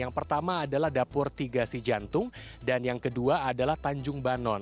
yang pertama adalah dapur tiga si jantung dan yang kedua adalah tanjung banon